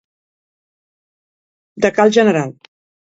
De cal general.